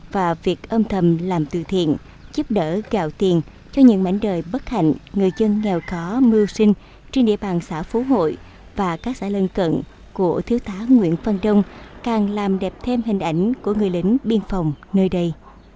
và việc âm thầm làm từ thiện giúp đỡ gạo tiền cho những mảnh đời bất hạnh người dân nghèo khó mưu sinh trên địa bàn xã phú hội và các xã lân cận của thiếu tá nguyễn phân đông càng làm đẹp thêm hình ảnh của người lính biên phòng nơi đây